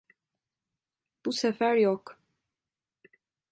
Bu sefer yok.